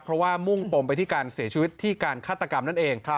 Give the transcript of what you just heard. เพราะว่ามุ่งปมไปที่การเสียชีวิตที่การฆาตกรรมนั่นเอง